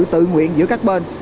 tự nguyện giữa các bên